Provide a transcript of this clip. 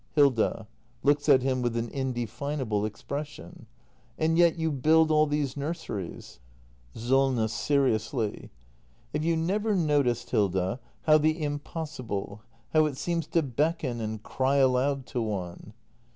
Hilda. [Looks at him with an indefinable expression.] And yet you build all these nurseries ? SOLNESS. [Seriously.] Have you never noticed, Hilda, how the impossible — how it seems to beckon and cry aloud to one?